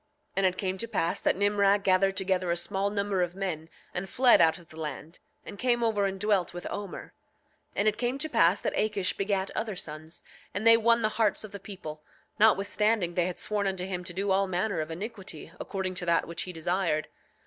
9:9 And it came to pass that Nimrah gathered together a small number of men, and fled out of the land, and came over and dwelt with Omer. 9:10 And it came to pass that Akish begat other sons, and they won the hearts of the people, notwithstanding they had sworn unto him to do all manner of iniquity according to that which he desired.